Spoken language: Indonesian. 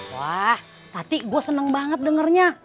wah tati gue seneng banget dengernya